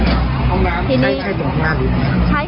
และทีนี้